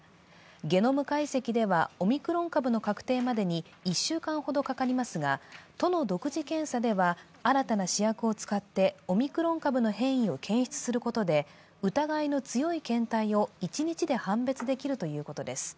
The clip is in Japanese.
ゲノム解析ではオミクロン株の確定までに１週間ほどかかりますが、都の独自検査では新たな試薬を使って、オミクロン株の変異を検出することで、疑いの強い検体を１日で判別できるということです。